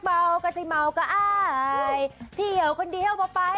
ยังไงเธอเห็นเฦลปม